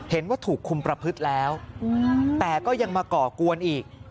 เห็นว่าถูกคุมประพฤติแล้วแต่ก็ยังมาก่อกวนอีก